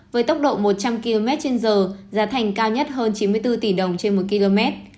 với tốc độ một trăm linh km trên giờ giá thành cao nhất hơn chín mươi bốn tỷ đồng trên một km